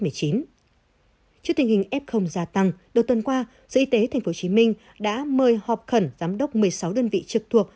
trước tình hình f gia tăng đầu tuần qua sở y tế tp hcm đã mời họp khẩn giám đốc một mươi sáu đơn vị trực thuộc